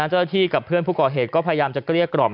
เจ้าหน้าที่กับเพื่อนผู้ก่อเหตุก็พยายามจะเกลี้ยกล่อม